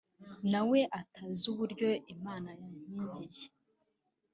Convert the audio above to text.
na we atazi uburyo Imana yankingiye”